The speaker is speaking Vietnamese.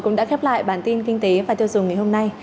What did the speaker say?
cũng đã khép lại bản tin kinh tế và tiêu dùng ngày hôm nay